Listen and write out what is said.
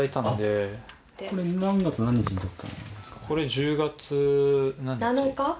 これ１０月何日？